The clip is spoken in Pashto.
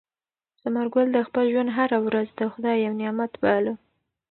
ثمر ګل د خپل ژوند هره ورځ د خدای یو نعمت باله.